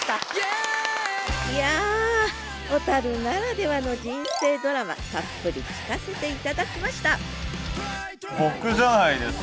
いや小ならではの人生ドラマたっぷり聞かせて頂きました僕じゃないですか？